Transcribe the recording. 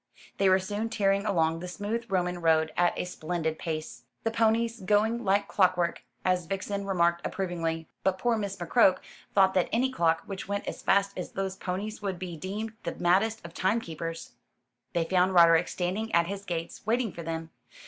They were soon tearing along the smooth Roman road at a splendid pace, "the ponies going like clockwork," as Vixen remarked approvingly; but poor Miss McCroke thought that any clock which went as fast as those ponies would be deemed the maddest of timekeepers. They found Roderick standing at his gates, waiting for them.